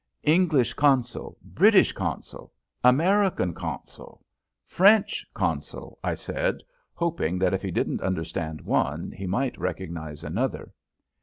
"English consul British consul American consul French consul," I said, hoping that if he didn't understand one he might recognize another.